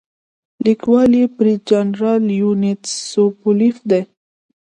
لیکوال یې برید جنرال لیونید سوبولیف دی.